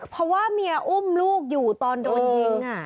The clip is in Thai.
เพราะว่าเมียอุ้มลูกอยู่ตอนโดนยิง